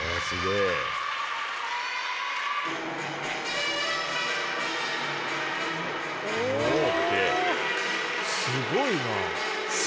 すごい。